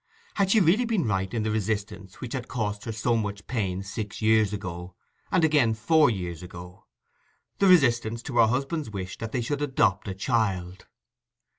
Had she really been right in the resistance which had cost her so much pain six years ago, and again four years ago—the resistance to her husband's wish that they should adopt a child?